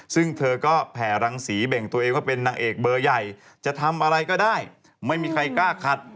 ซึ่งเธอก็แผ่รังสีเบ่งตัวเองว่าเป็นนางเอกเบอร์ใหญ่จะทำอะไรก็ได้ไม่มีใครกล้าขัด